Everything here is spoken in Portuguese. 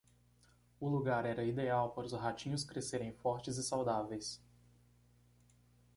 O lugar era ideal para os ratinhos crescerem fortes e saudáveis.